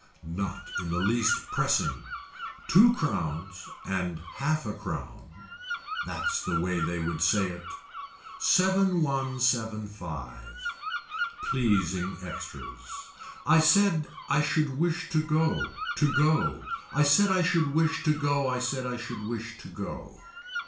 Not in the least pressing. Two crowns and a half a crown. That's the way they would say it. Seven one seven five. Pleasing extras. I said I should wish to go, to go, I said I should wish to go I said I should wish to go.